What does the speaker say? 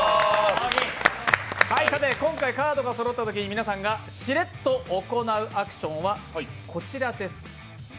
今回カードがそろったとき、皆さんがしれっと行うアクションはこちらです。